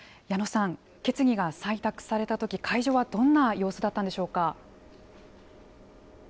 矢野さん、決議が採択されたとき、会場はどんな様子だったんでしょうか。